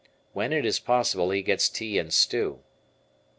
When it is possible, he gets tea and stew.